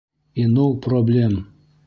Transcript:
И ноу проблем!